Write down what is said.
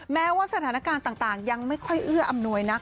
แม้ว่าสถานการณ์ต่างยังไม่ค่อยเอื้ออำนวยนัก